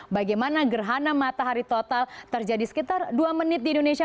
bagaimana gerhana matahari total terjadi sekitar dua menit di indonesia